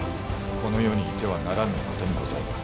この世にいてはならぬお方にございます。